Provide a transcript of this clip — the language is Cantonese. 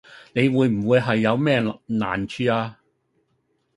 你會唔會係有咩難處呀